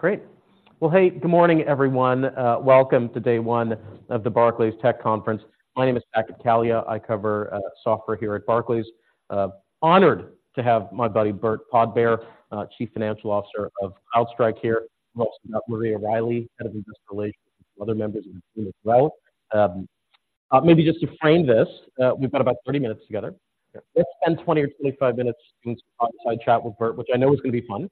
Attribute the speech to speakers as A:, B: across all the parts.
A: Great! Well, hey, good morning, everyone. Welcome to day one of the Barclays Tech Conference. My name is Saket Kalia. I cover software here at Barclays. Honored to have my buddy, Burt Podbere, Chief Financial Officer of CrowdStrike, here. We've also got Maria Riley, Head of Investor Relations, and other members of the team as well. Maybe just to frame this, we've got about 30 minutes together.
B: Yeah.
A: Let's spend 20 or 25 minutes doing some outside chat with Burt, which I know is going to be fun.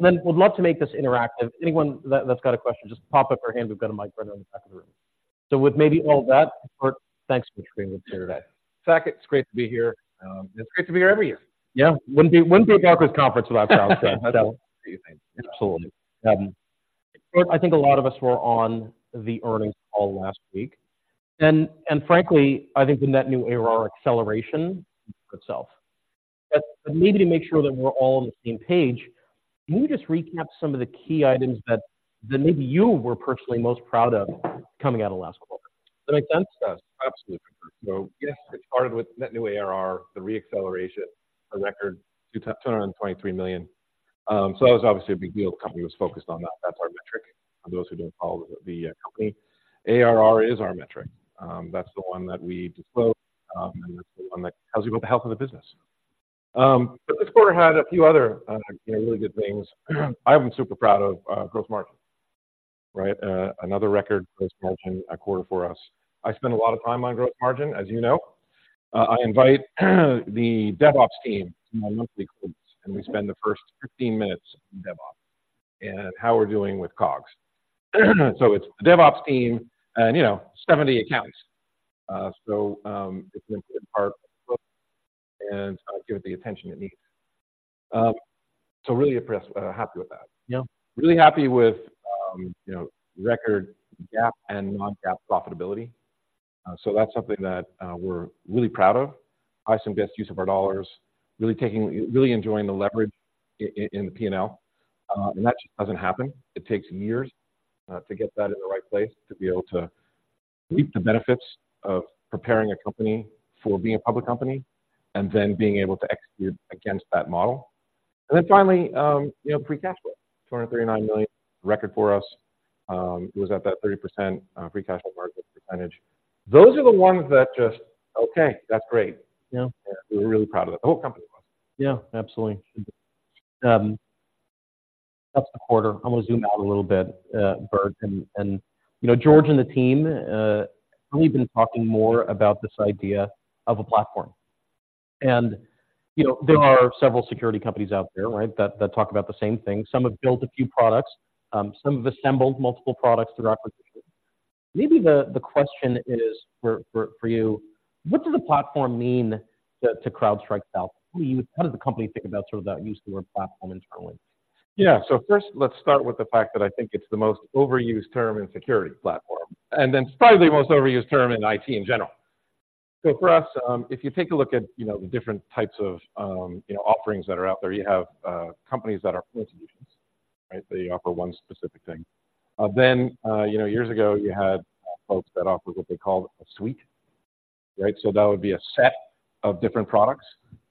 A: Then would love to make this interactive. Anyone that's got a question, just pop up your hand. We've got a microphone on the back of the room. So with maybe all that, Burt, thanks for being with us here today.
B: Saket, it's great to be here. It's great to be here every year.
A: Yeah. Wouldn't be a Barclays conference without CrowdStrike.
B: Thank you.
A: Absolutely. Burt, I think a lot of us were on the earnings call last week, and frankly, I think the net new ARR acceleration itself. But maybe to make sure that we're all on the same page, can you just recap some of the key items that maybe you were personally most proud of coming out of last quarter?
B: That makes sense to us. Absolutely. So, yes, it started with net new ARR, the re-acceleration, a record $223 million. So that was obviously a big deal. The company was focused on that. That's our metric. For those who don't follow the company, ARR is our metric. That's the one that we disclose, and that's the one that tells you about the health of the business. But this quarter had a few other, you know, really good things. I'm super proud of gross margin, right? Another record gross margin quarter for us. I spend a lot of time on gross margin, as you know. I invite the DevOps team to my monthly quotes, and we spend the first 15 minutes on DevOps and how we're doing with COGS. So it's the DevOps team and, you know, 70 accounts. So, it's an important part, and I give it the attention it needs. So really impressed, happy with that.
A: Yeah.
B: Really happy with, you know, record GAAP and non-GAAP profitability. So that's something that, we're really proud of. I see some best use of our dollars, really enjoying the leverage in the P&L. And that just doesn't happen. It takes years, to get that in the right place, to be able to reap the benefits of preparing a company for being a public company, and then being able to execute against that model. And then finally, you know, free cash flow, $239 million, record for us, was at that 30%, free cash flow market percentage. Those are the ones that just. Okay, that's great.
A: Yeah.
B: We're really proud of that. The whole company was.
A: Yeah, absolutely. That's the quarter. I'm going to zoom out a little bit, Burt, and you know, George and the team really been talking more about this idea of a platform. You know, there are several security companies out there, right, that talk about the same thing. Some have built a few products, some have assembled multiple products through acquisitions. Maybe the question is, for you, what does a platform mean to CrowdStrike? How do you-how does the company think about sort of that use the word platform internally?
B: Yeah. So first, let's start with the fact that I think it's the most overused term in security platform, and then probably the most overused term in IT in general. So for us, if you take a look at, you know, the different types of, you know, offerings that are out there, you have companies that are institutions, right? They offer one specific thing. Then, you know, years ago, you had folks that offered what they called a suite, right? So that would be a set of different products,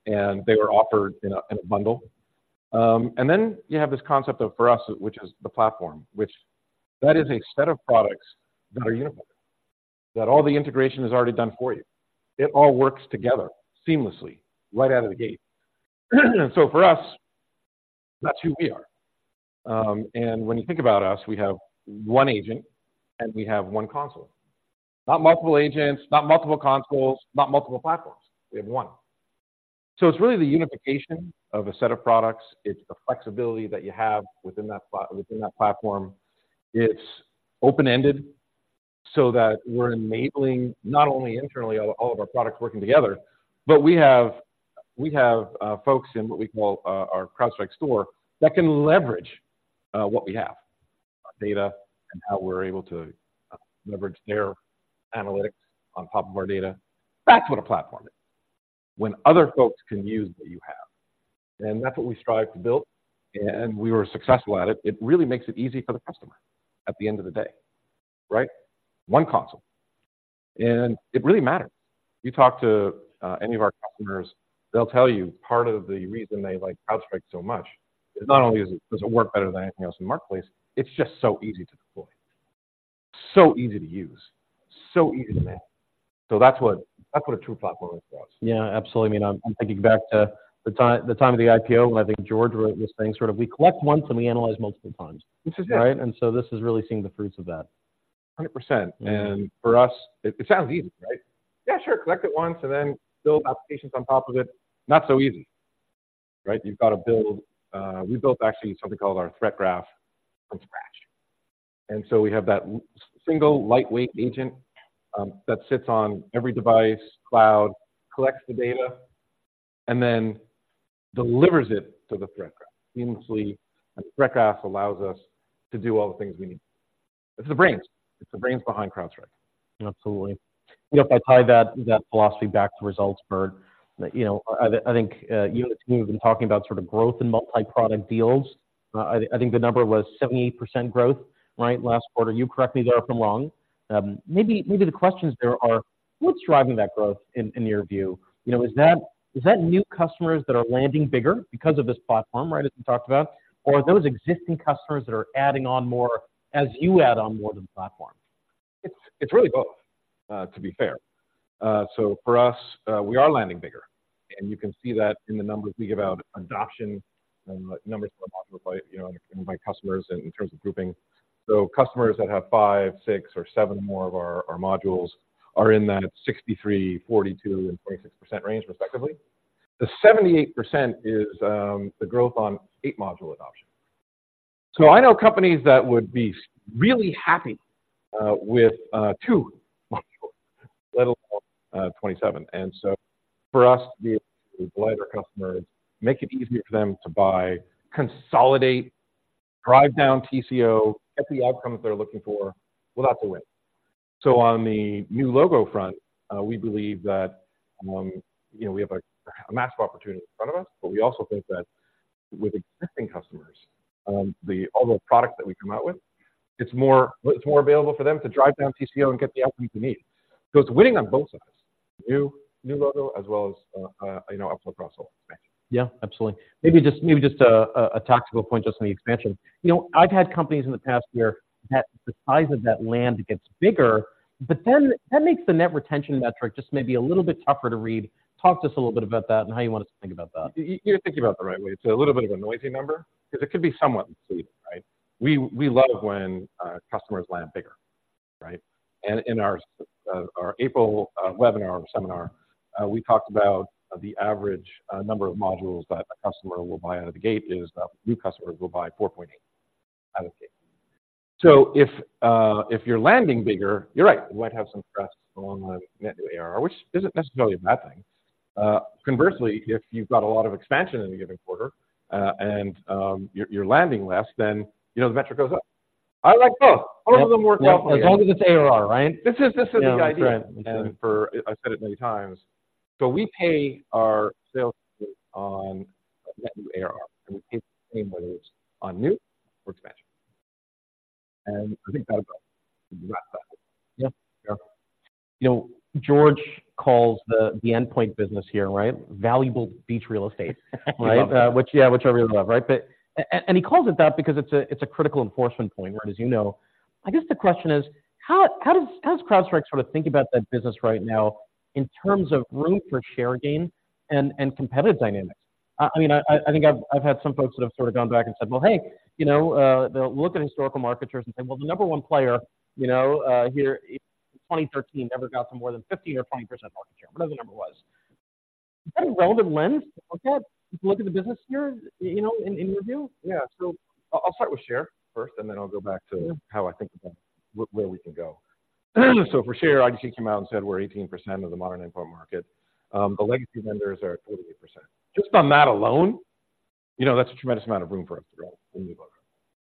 B: and they were offered in a bundle. And then you have this concept of, for us, which is the platform, which that is a set of products that are uniform, that all the integration is already done for you. It all works together seamlessly, right out of the gate. So for us, that's who we are. And when you think about us, we have one agent, and we have one console. Not multiple agents, not multiple consoles, not multiple platforms. We have one. So it's really the unification of a set of products. It's the flexibility that you have within that platform. It's open-ended, so that we're enabling, not only internally, all of our products working together, but we have folks in what we call our CrowdStrike Store, that can leverage what we have: data and how we're able to leverage their analytics on top of our data. That's what a platform is, when other folks can use what you have. And that's what we strive to build, and we were successful at it. It really makes it easy for the customer at the end of the day, right? One console, and it really matters. You talk to any of our customers, they'll tell you part of the reason they like CrowdStrike so much, is not only does it, does it work better than anything else in the marketplace, it's just so easy to deploy, so easy to use, so easy to manage. So that's what, that's what a true platform is for us.
A: Yeah, absolutely. I mean, I'm thinking back to the time of the IPO. I think George wrote this thing, sort of, "We collect once, and we analyze multiple times.
B: Which is it?
A: Right? And so this is really seeing the fruits of that.
B: 100%. And for us, it sounds easy, right? Yeah, sure, collect it once and then build applications on top of it. Not so easy, right? You've got to build. We built actually something called our Threat Graph from scratch. And so we have that single lightweight agent that sits on every device, cloud, collects the data, and then delivers it to the Threat Graph seamlessly. And the Threat Graph allows us to do all the things we need. It's the brains. It's the brains behind CrowdStrike.
A: Absolutely. You know, if I tie that philosophy back to results, Burt, you know, I think you and the team have been talking about sort of growth in multi-product deals. I think the number was 78% growth, right? Last quarter. You correct me there if I'm wrong. Maybe the questions there are what's driving that growth in your view? You know, is that new customers that are landing bigger because of this platform, right, as we talked about? Or are those existing customers that are adding on more as you add on more to the platform?
B: It's really both, to be fair. So for us, we are landing bigger, and you can see that in the numbers we give out, adoption and the numbers of the module by, you know, by customers and in terms of grouping. So customers that have five, six, or seven more of our modules are in that 63%, 42%, and 26% range, respectively. The 78% is the growth on 8 module adoption. So I know companies that would be really happy with two modules, let alone 27. And so for us to be able to delight our customers, make it easier for them to buy, consolidate, drive down TCO, get the outcome that they're looking for, well, that's a win. So on the new logo front, we believe that, you know, we have a massive opportunity in front of us, but we also think that with existing customers, all the products that we come out with, it's more, it's more available for them to drive down TCO and get the outcome they need. So it's winning on both sides, new, new logo as well as, you know, upsell, cross-sell expansion.
A: Yeah, absolutely. Maybe just a tactical point just on the expansion. You know, I've had companies in the past where the size of that land gets bigger, but then that makes the Net Retention metric just maybe a little bit tougher to read. Talk to us a little bit about that and how you want us to think about that.
B: You're thinking about it the right way. It's a little bit of a noisy number because it could be somewhat misleading, right? We love when customers land bigger, right? And in our April webinar or seminar, we talked about the average number of modules that a customer will buy out of the gate is that new customers will buy 4.8 out of the gate. So if you're landing bigger, you're right, we might have some thrust along the net new ARR, which isn't necessarily a bad thing. Conversely, if you've got a lot of expansion in a given quarter, and you're landing less, then you know, the metric goes up. I like both. All of them work well for me.
A: As long as it's ARR, right?
B: This is, this is the idea.
A: Yeah. Correct.
B: And for I've said it many times, so we pay our sales on net new ARR, and we pay the same whether it's on new or expansion. And I think that'll go yeah.
A: Yeah. You know, George calls the endpoint business here, right? Valuable beach real estate, right?
B: Yeah.
A: Which, yeah, which I really love, right? But he calls it that because it's a critical enforcement point, right, as you know. I guess the question is: How does CrowdStrike sort of think about that business right now in terms of room for share gain and competitive dynamics? I mean, I think I've had some folks that have sort of gone back and said, "Well, hey, you know," they'll look at historical market shares and say, "Well, the number one player, you know, here in 2013, never got to more than 15% or 20% market share," whatever the number was. Is that a relevant lens to look at the business here, you know, in your view?
B: Yeah. So I'll start with share first, and then I'll go back to-
A: Yeah.
B: How I think about where we can go. So for share, IDC came out and said we're 18% of the modern endpoint market. The legacy vendors are at 48%. Just on that alone, you know, that's a tremendous amount of room for us to grow in new logo,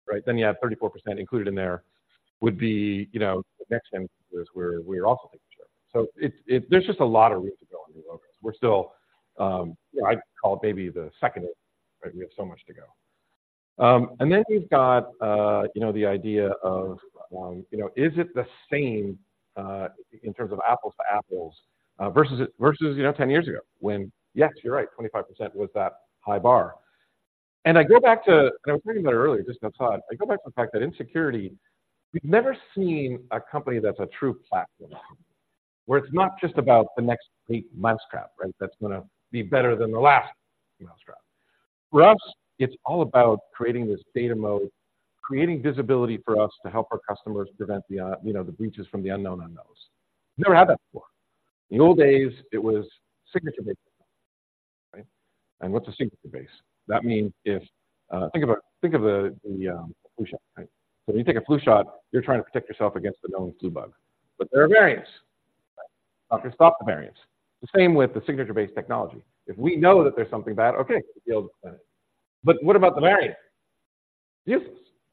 B: right? Then you have 34% included in there would be, you know, the next end users where we are also taking share. So it's, there's just a lot of room to go on new logos. We're still,
A: Yeah
B: I'd call it maybe the second inning, right? We have so much to go. And then you've got, you know, the idea of, you know, is it the same, in terms of apples to apples, versus, you know, 10 years ago when, yes, you're right, 25% was that high bar. And I go back to and I was talking about it earlier, just outside. I go back to the fact that in security, we've never seen a company that's a true platform, where it's not just about the next great mousetrap, right? That's gonna be better than the last mousetrap. For us, it's all about creating this data moat, creating visibility for us to help our customers prevent the, you know, the breaches from the unknown unknowns. We've never had that before. In the old days, it was signature-based, right? And what's a signature base? That means if. Think about, think of the flu shot, right? So when you take a flu shot, you're trying to protect yourself against the known flu bug. But there are variants. Okay, stop the variants. The same with the signature-based technology. If we know that there's something bad, okay, we'll deal with that. But what about the variant? Useless,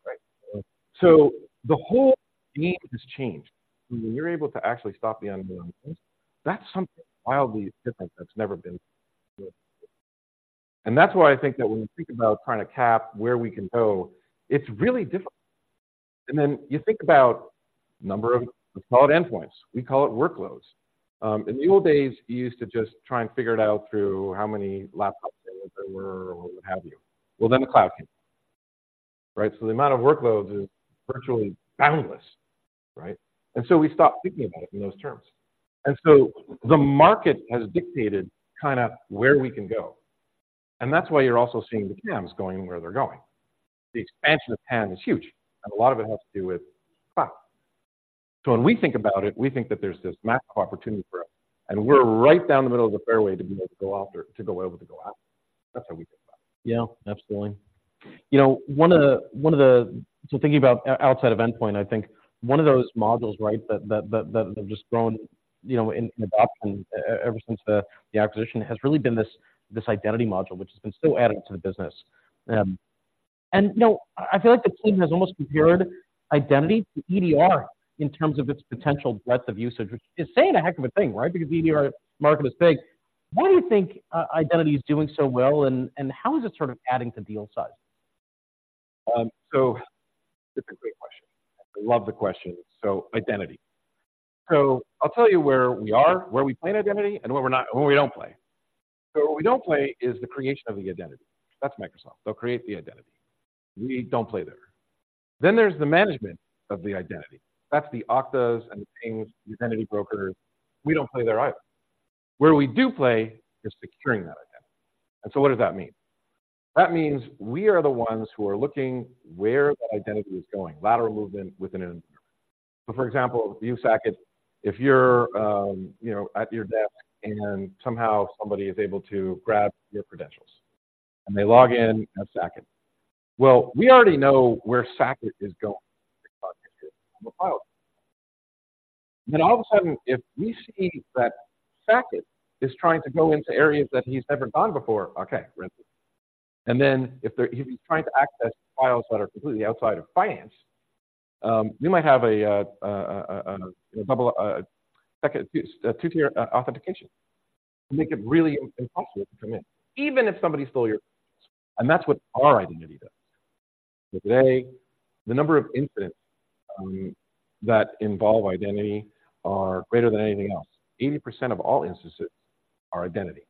B: right? So the whole game has changed. When you're able to actually stop the unknown unknowns, that's something wildly different that's never been done. And that's why I think that when we think about trying to cap where we can go, it's really difficult. And then you think about number of, let's call it endpoints, we call it workloads. In the old days, you used to just try and figure it out through how many laptops there were or what have you. Well, then the cloud came, right? So the amount of workloads is virtually boundless, right? And so we stopped thinking about it in those terms. And so the market has dictated kind of where we can go. And that's why you're also seeing the TAMs going where they're going. The expansion of TAM is huge, and a lot of it has to do with cloud. So when we think about it, we think that there's this massive opportunity for us, and we're right down the middle of the fairway to be able to go after, to be able to go after it. That's how we think about it.
A: Yeah, absolutely. You know, one of the. So thinking about outside of endpoint, I think one of those modules, right, that have just grown, you know, in adoption ever since the acquisition has really been this identity module, which has been so added to the business. And, you know, I feel like the team has almost compared identity to EDR in terms of its potential breadth of usage, which is saying a heck of a thing, right? Because EDR market is big. Why do you think identity is doing so well, and how is it sort of adding to deal size?
B: So it's a great question. I love the question. So identity. So I'll tell you where we are, where we play in identity, and where we're not, where we don't play. So where we don't play is the creation of the identity. That's Microsoft. They'll create the identity. We don't play there. Then there's the management of the identity. That's the Okta's and the Ping, the identity brokers. We don't play there either. Where we do play is securing that identity. And so what does that mean? That means we are the ones who are looking where that identity is going, lateral movement within an environment. So for example, you, Saket, if you're, you know, at your desk and somehow somebody is able to grab your credentials, and they log in as Saket. Well, we already know where Saket is going on the cloud. Then all of a sudden, if we see that Saket is trying to go into areas that he's never gone before, okay, red flag. And then if they're he's trying to access files that are completely outside of finance, we might have a two-tier authentication to make it really impossible to come in, even if somebody stole your. And that's what our identity does. Today, the number of incidents that involve identity are greater than anything else. 80% of all instances are identity.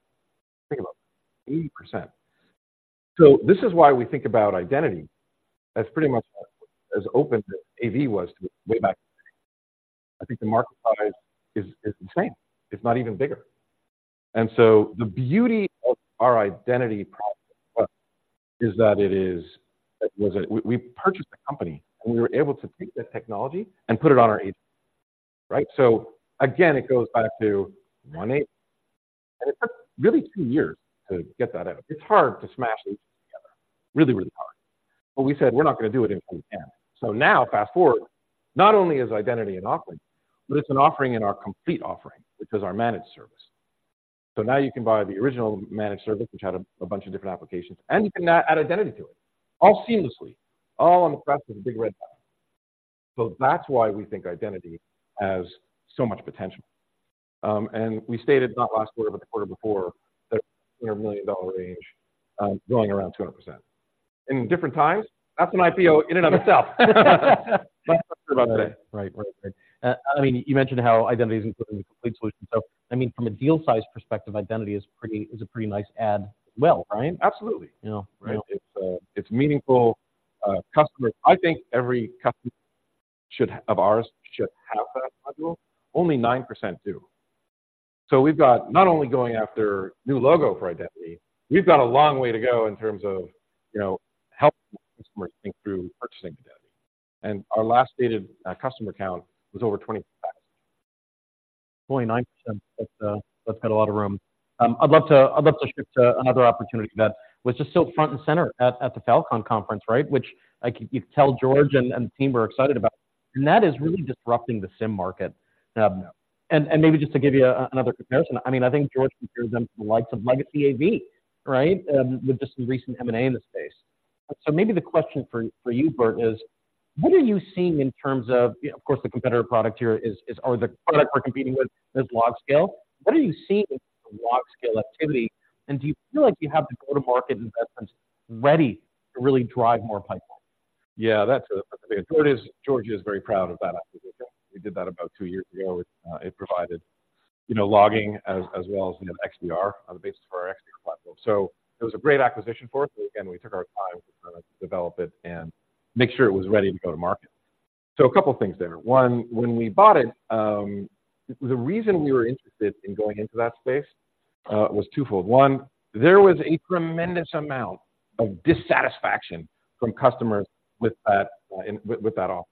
B: Think about that, 80%. So this is why we think about identity as pretty much as open as AV was way back. I think the market size is the same. It's not even bigger. And so the beauty of our identity problem is that it is. What we purchased a company, and we were able to take that technology and put it on our agent, right? So again, it goes back to one agent, and it took really 2 years to get that out. It's hard to smash agents together. Really, really hard. But we said, we're not going to do it until we can. So now, fast-forward, not only is identity an offering, but it's an offering in our complete offering, which is our managed service. So now you can buy the original managed service, which had a bunch of different applications, and you can now add identity to it, all seamlessly, all on the press of a big red button. So that's why we think identity has so much potential. And we stated not last quarter, but the quarter before, that in a $1 million range, growing around 200%. In different times, that's an IPO in and of itself.
A: Right, right, right. I mean, you mentioned how identity is included in the complete solution. So, I mean, from a deal size perspective, identity is pretty, is a pretty nice add as well, right?
B: Absolutely.
A: You know?
B: Right. It's meaningful customers. I think every customer of ours should have that module. Only 9% do. So we've got not only going after new logo for identity, we've got a long way to go in terms of, you know, helping customers think through purchasing identity. And our last stated customer count was over 25.
A: Only 9%. That's got a lot of room. I'd love to shift to another opportunity that was just so front and center at the Falcon Conference, right? Which, like, you could tell George and the team were excited about, and that is really disrupting the SIEM market. And maybe just to give you another comparison, I mean, I think George compares them to the likes of Legacy AV, right? With just the recent M&A in the space. So maybe the question for you, Burt, is: What are you seeing in terms of, you know, of course, the competitor product here is or the product we're competing with is LogScale. What are you seeing in LogScale activity, and do you feel like you have the go-to-market investments ready to really drive more pipeline?
B: Yeah, that's a George is, George is very proud of that acquisition. We did that about two years ago. It provided, you know, logging as well as XDR on the basis of our XDR platform. So it was a great acquisition for us, and we took our time to develop it and make sure it was ready to go to market. So a couple of things there. One, when we bought it, the reason we were interested in going into that space was twofold. One, there was a tremendous amount of dissatisfaction from customers with that, with that offer,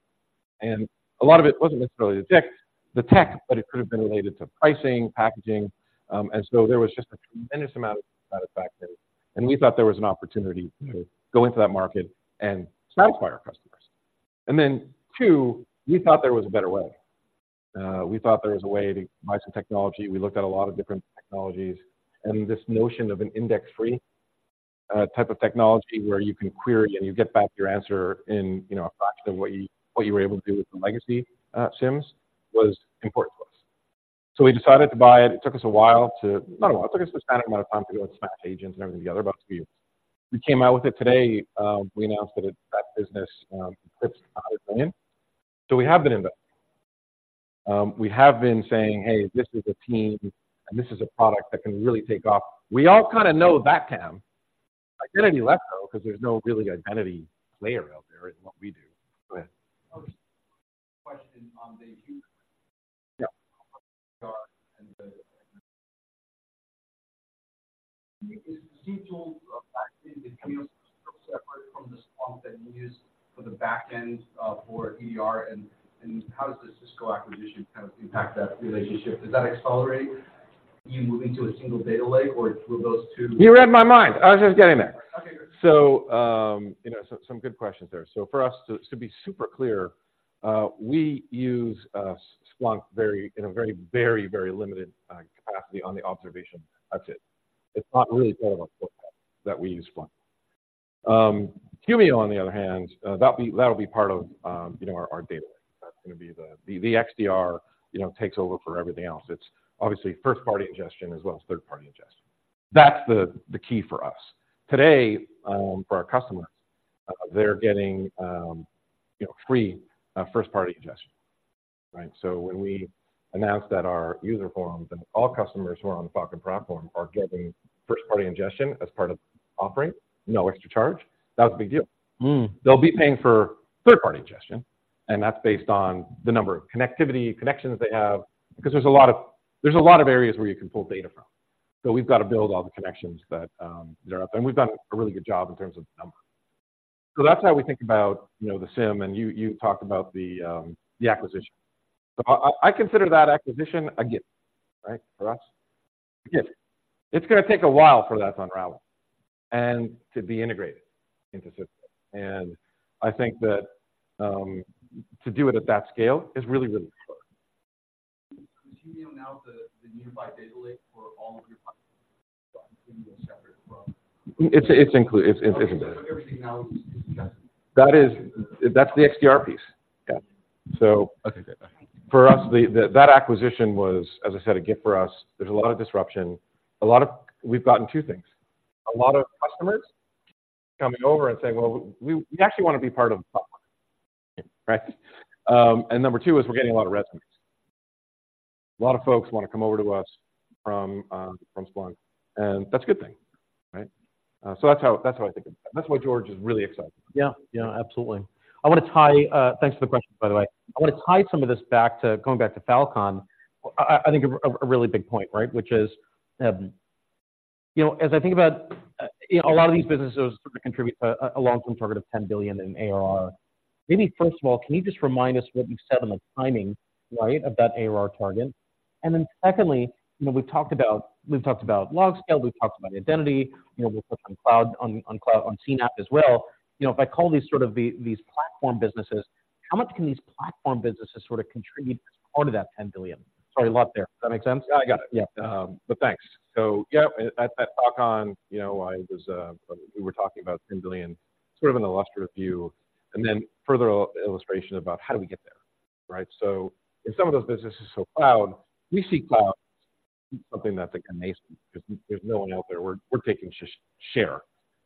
B: and a lot of it wasn't necessarily the tech- the tech, but it could have been related to pricing, packaging, and so there was just a tremendous amount of dissatisfaction, and we thought there was an opportunity to go into that market and satisfy our customers. And then, two, we thought there was a better way. We thought there was a way to buy some technology. We looked at a lot of different technologies, and this notion of an index-free type of technology where you can query and you get back your answer in, you know, a fraction of what you were able to do with the legacy SIEMs was important to us. So we decided to buy it. It took us a while to. Not a while, it took us a standard amount of time to go and smash agents and everything together, about two years. We came out with it today, we announced that it, that business, clips $100 million. So we have been investing. We have been saying, "Hey, this is a team, and this is a product that can really take off." We all kinda know backham. I get any less so because there's no really identity player out there in what we do. Go ahead.
C: Okay, question on the queue.
B: Yeah.
C: Is the SQL actually the queue still separate from the Splunk that you use for the back end for EDR, and how does the Cisco acquisition kind of impact that relationship? Does that accelerate you moving to a single data lake, or will those two-
B: You read my mind! I was just getting there.
C: Okay, good.
B: So, you know, some good questions there. So for us to be super clear, we use Splunk very in a very, very, very limited capacity on the observability. That's it. It's not really part of our portfolio that we use Splunk. Humio, on the other hand, that'll be part of, you know, our data lake. That's gonna be the the XDR, you know, takes over for everything else. It's obviously first-party ingestion as well as third-party ingestion. That's the key for us. Today, for our customers, they're getting, you know, free first-party ingestion, right? So when we announced that our user forums and all customers who are on the Falcon Pro platform are getting first-party ingestion as part of offering, no extra charge, that was a big deal.
A: Mm.
B: They'll be paying for third-party ingestion, and that's based on the number of connectivity, connections they have, because there's a lot of areas where you can pull data from. So we've got to build all the connections that are out there, and we've done a really good job in terms of the number. So that's how we think about, you know, the SIEM, and you talked about the acquisition. So I consider that acquisition a gift, right? For us, a gift. It's gonna take a while for that to unravel and to be integrated into SIEM. And I think that to do it at that scale is really, really hard.
C: Do you know the nearby data lake for all of your customers is separate from-
B: It's included. It's-
C: Everything now is just-
B: That's the XDR piece. Yeah. So-
A: Okay, good.
B: For us, that acquisition was, as I said, a gift for us. There's a lot of disruption, a lot of we've gotten two things. A lot of customers coming over and saying, "Well, we actually want to be part of Falcon," right? And number two is we're getting a lot of resumes. A lot of folks want to come over to us from Splunk, and that's a good thing, right? So that's how, that's how I think about it. That's why George is really excited.
A: absolutely. I want to tie some of this back to going back to Falcon. Thanks for the question, by the way. I want to tie some of this back to going back to Falcon. I think a really big point, right? Which is, you know, as I think about, you know, a lot of these businesses contribute a long-term target of $10 billion in ARR. Maybe first of all, can you just remind us what you said on the timing, right, of that ARR target? And then secondly, you know, we've talked about, we've talked about LogScale, we've talked about identity, you know, we've touched on cloud, on cloud, on CNAPP as well. You know, if I call these sort of these platform businesses, how much can these platform businesses sort of contribute as part of that $10 billion? Sorry, a lot there. Does that make sense?
B: I got it.
A: Yeah.
B: But thanks. So, yeah, at Falcon, you know, I was, we were talking about $10 billion, sort of an illustrative view, and then further illustration about how do we get there, right? So in some of those businesses, so cloud, we see cloud, something that's a nation. There's no one out there. We're taking share,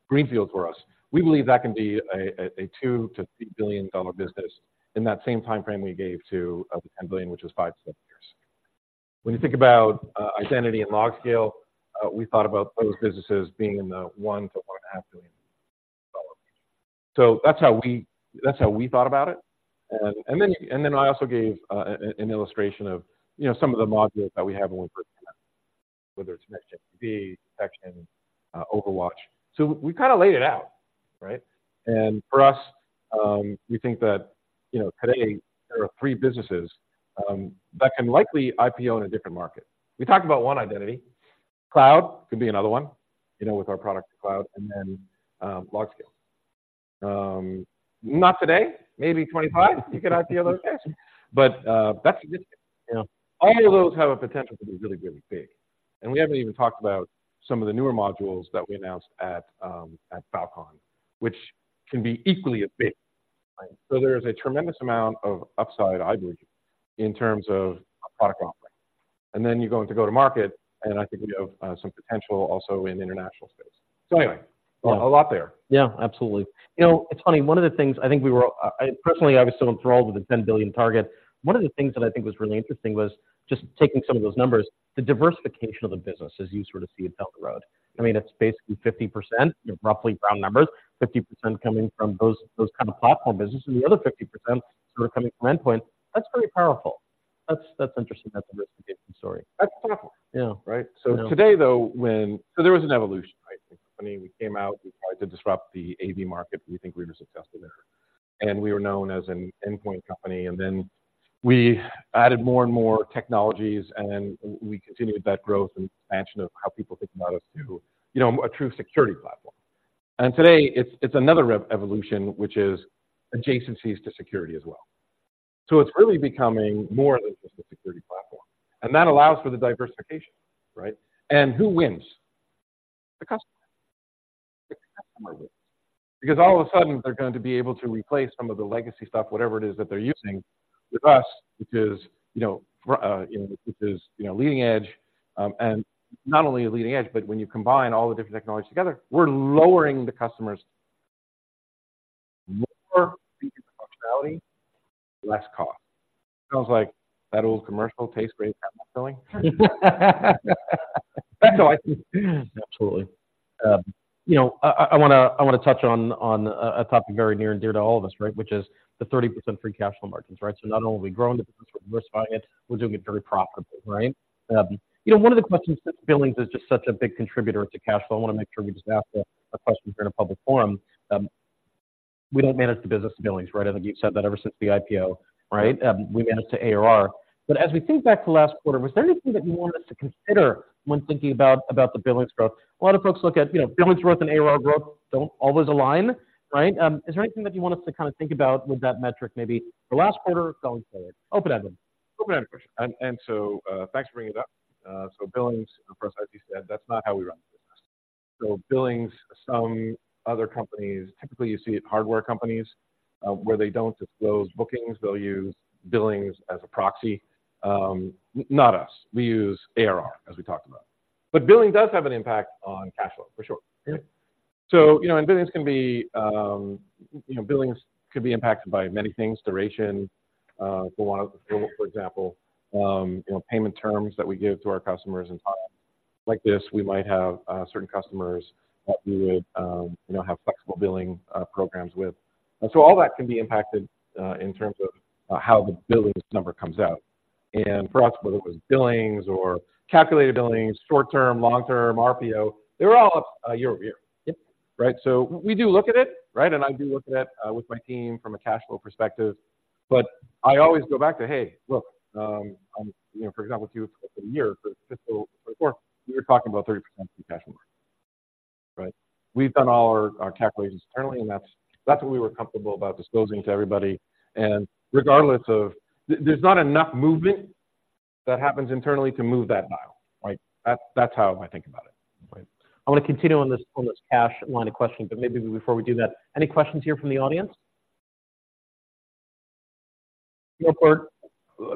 B: greenfields for us. We believe that can be a $2 billion to $3 billion business in that same time frame we gave to the $10 billion, which is 5 to 7 years. When you think about identity and LogScale, we thought about those businesses being in the $1 billion to $1.5 billion. So that's how we, that's how we thought about it. And then I also gave an illustration of, you know, some of the modules that we have when we put together, whether it's next-gen SIEM, OverWatch. So we kind of laid it out, right? And for us, we think that, you know, today there are three businesses that can likely IPO in a different market. We talked about One Identity. Cloud could be another one, you know, with our product, Cloud, and then, LogScale. Not today, maybe 25. You can IPO those, but, that's a good thing. You know, all of those have a potential to be really, really big. And we haven't even talked about some of the newer modules that we announced at, at Falcon, which can be equally as big, right? There is a tremendous amount of upside, I believe, in terms of product offering. Then you're going to go to market, and I think we have some potential also in the international space. Anyway, a lot there.
A: Yeah, absolutely. You know, it's funny, one of the things I think we were I, personally, I was so enthralled with the $10 billion target. One of the things that I think was really interesting was just taking some of those numbers, the diversification of the business as you sort of see it down the road. I mean, it's basically 50%, you know, roughly round numbers, 50% coming from those, those kind of platform businesses, and the other 50% sort of coming from endpoint. That's pretty powerful. That's, that's interesting. That's a diversification story.
B: That's powerful.
A: Yeah.
B: Right?
A: Yeah.
B: So today, though, there was an evolution, right? I mean, we came out, we tried to disrupt the AV market. We think we were successful there, and we were known as an endpoint company, and then we added more and more technologies, and we continued that growth and expansion of how people think about us to, you know, a true security platform. And today it's another re-evolution, which is adjacencies to security as well. So it's really becoming more than just a security platform, and that allows for the diversification, right? And who wins? The customer. The customer wins. Because all of a sudden, they're going to be able to replace some of the legacy stuff, whatever it is that they're using, with us, because, you know, you know, because, you know, leading edge, and not only a leading edge, but when you combine all the different technologies together, we're lowering the customer's more functionality, less cost. Sounds like that old commercial, "Tastes great, filling.
A: Absolutely. You know, I wanna touch on a topic very near and dear to all of us, right? Which is the 30% free cash flow margins, right? So not only are we growing the business, we're diversifying it, we're doing it very profitably, right? You know, one of the questions, since Billings is just such a big contributor to cash flow, I wanna make sure we just ask a question here in a public forum. We don't manage the business to Billings, right? I think you've said that ever since the IPO, right? We manage to ARR. But as we think back to last quarter, was there anything that you want us to consider when thinking about the Billings growth? A lot of folks look at, you know, Billings growth and ARR growth don't always align, right? Is there anything that you want us to kind of think about with that metric, maybe the last quarter going forward? Open-ended.
B: Open-ended question. And, and so, thanks for bringing it up. So Billings, for us, as you said, that's not how we run the business. So Billings, some other companies, typically you see it in hardware companies, where they don't disclose bookings, they'll use Billings as a proxy. Not us, we use ARR, as we talked about. But Billings does have an impact on cash flow, for sure.
A: Yeah.
B: So, you know, and Billings can be, you know, Billings could be impacted by many things, duration, for one of, for example, you know, payment terms that we give to our customers. In time like this, we might have certain customers that we would, you know, have flexible billing programs with. And so all that can be impacted in terms of how the Billings number comes out. And for us, whether it was Billings or calculated Billings, short term, long term, RPO, they were all up year-over-year.
A: Yeah.
B: Right? So we do look at it, right? And I do look at it with my team from a cash flow perspective. But I always go back to, "Hey, look, you know, for example, Q4 for the year, for fiscal fourth quarter, we were talking about 30% Free Cash Flow." Right? We've done all our calculations internally, and that's what we were comfortable about disclosing to everybody. And regardless of there's not enough movement that happens internally to move that dial, right? That's how I think about it, right.
A: I want to continue on this, on this cash line of questioning, but maybe before we do that, any questions here from the audience? Look, Burt,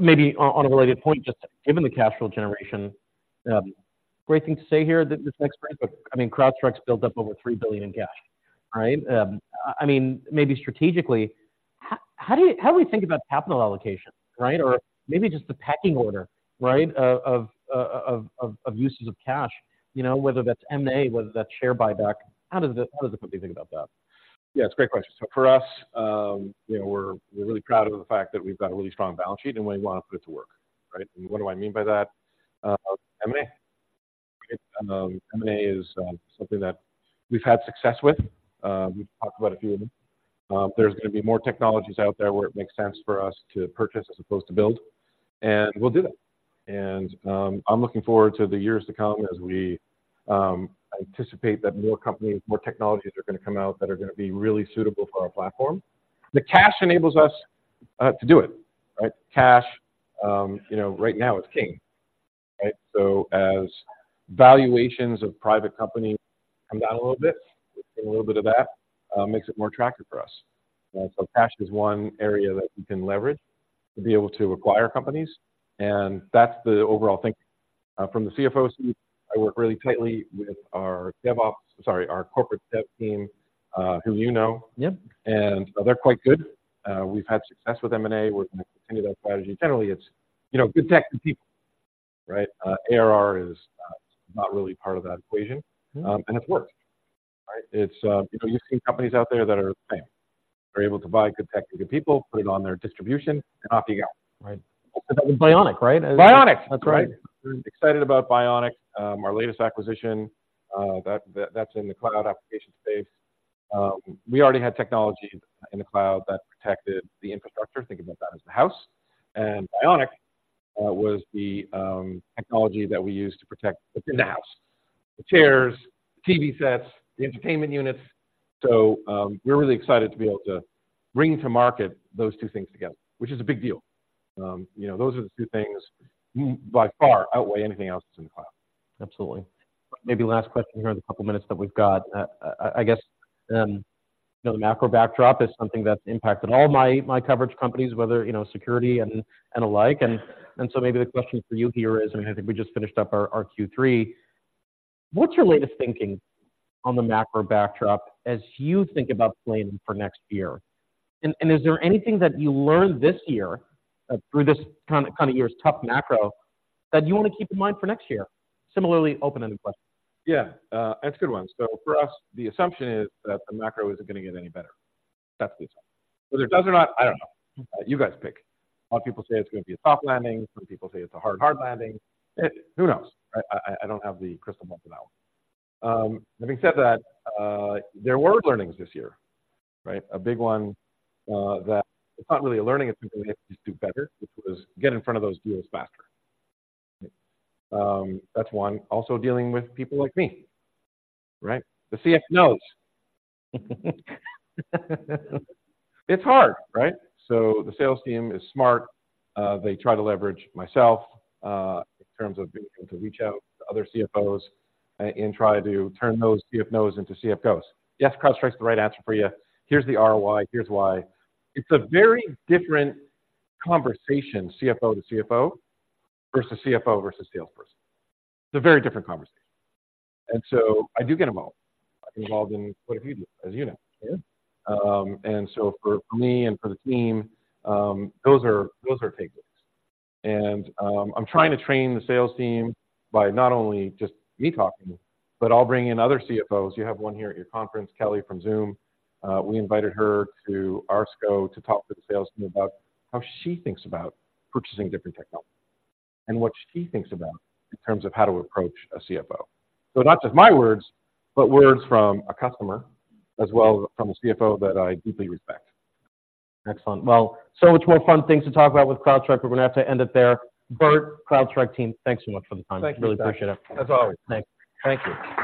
A: maybe on, on a related point, just given the cash flow generation, great thing to say here that this next but, I mean, CrowdStrike's built up over $3 billion in cash, right? I mean, maybe strategically, how, how do you how do we think about capital allocation, right? Or maybe just the pecking order, right, of, of, of, uses of cash, you know, whether that's M&A, whether that's share buyback. How does the, how does the company think about that?
B: Yeah, it's a great question. So for us, you know, we're really proud of the fact that we've got a really strong balance sheet, and we want to put it to work, right? What do I mean by that? M&A. M&A is something that we've had success with. We've talked about a few of them. There's going to be more technologies out there where it makes sense for us to purchase as opposed to build, and we'll do that. I'm looking forward to the years to come as we anticipate that more companies, more technologies are going to come out that are going to be really suitable for our platform. The cash enables us to do it, right? Cash, you know, right now is king, right? As valuations of private companies come down a little bit, we've seen a little bit of that, makes it more attractive for us. Cash is one area that we can leverage to be able to acquire companies, and that's the overall thinking. From the CFO seat, I work really tightly with our DevOps, sorry, our corporate dev team, who you know.
A: Yeah.
B: They're quite good. We've had success with M&A. We're gonna continue that strategy. Generally, it's, you know, good tech and people, right? ARR is not really part of that equation.
A: Mm-hmm.
B: It's worked, right? You know, you see companies out there that are the same. They're able to buy good tech and good people, put it on their distribution, and off you go.
A: Right. That was Bionic, right?
B: Bionic!
A: That's right.
B: Excited about Bionic, our latest acquisition. That, that's in the cloud application space. We already had technology in the cloud that protected the infrastructure. Think about that as the house. And Bionic, was the, technology that we use to protect what's in the house, the chairs, TV sets, the entertainment units. So, we're really excited to be able to bring to market those two things together, which is a big deal. You know, those are the two things who by far outweigh anything else that's in the cloud.
A: Absolutely. Maybe last question here in the couple of minutes that we've got. I guess, you know, the macro backdrop is something that's impacted all my coverage companies, whether, you know, security and alike. And so maybe the question for you here is, and I think we just finished up our Q3, what's your latest thinking on the macro backdrop as you think about planning for next year? And is there anything that you learned this year, through this kind of year's tough macro, that you want to keep in mind for next year? Similarly, open-ended question.
B: Yeah, it's a good one. So for us, the assumption is that the macro isn't going to get any better. That's the assumption. Whether it does or not, I don't know. You guys pick. A lot of people say it's going to be a soft landing, some people say it's a hard, hard landing. It. Who knows? I don't have the crystal ball out. Having said that, there were learnings this year, right? A big one, that it's not really a learning, it's something we have to do better, which was get in front of those deals faster. That's one. Also, dealing with people like me, right? The CFOs. It's hard, right? So the sales team is smart. They try to leverage myself, in terms of being able to reach out to other CFOs and try to turn those CF-Nos into CF-Gos. "Yes, CrowdStrike's the right answer for you. Here's the ROI, here's why." It's a very different conversation, CFO to CFO, versus CFO versus salesperson. It's a very different conversation. And so I do get them all involved in quite a few deals, as you know.
A: Yeah.
B: And so for me and for the team, those are, those are takeaways. And, I'm trying to train the sales team by not only just me talking, but I'll bring in other CFOs. You have one here at your conference, Kelly from Zoom. We invited her to our scope to talk to the sales team about how she thinks about purchasing different technology and what she thinks about in terms of how to approach a CFO. So not just my words, but words from a customer as well as from a CFO that I deeply respect.
A: Excellent. Well, so much more fun things to talk about with CrowdStrike, but we're going to have to end it there. Burt, CrowdStrike team, thanks so much for the time.
B: Thank you.
A: Really appreciate it.
B: As always.
A: Thanks.
B: Thank you.